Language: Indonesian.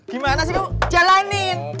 gimana sih kamu jalanin